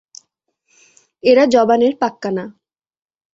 এরা জবানের পাক্কা না।